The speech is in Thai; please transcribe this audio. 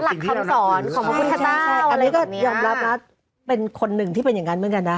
หลักคำสอนของพระพุทธเจ้าอันนี้ก็ยอมรับนะเป็นคนหนึ่งที่เป็นอย่างนั้นเหมือนกันนะ